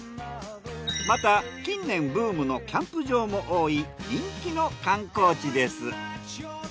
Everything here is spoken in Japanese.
また近年ブームのキャンプ場も多い人気の観光地です。